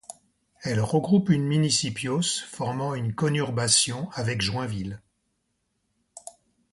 Elle regroupe une municípios formant une conurbation avec Joinville.